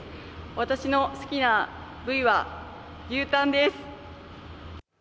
私の好きな部位は牛タンです。